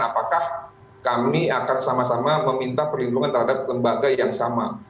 apakah kami akan sama sama meminta perlindungan terhadap lembaga yang sama